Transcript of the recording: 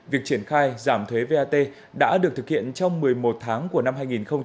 việc triển khai giảm thuế vat đã được thực hiện trong một mươi một tháng của năm hai nghìn hai mươi